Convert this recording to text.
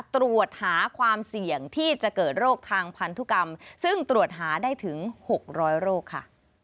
ตรวจหาความเสี่ยงที่จะเกิดโรคทางพันธุกรรมซึ่งตรวจหาได้ถึง๖๐๐โรคค่ะ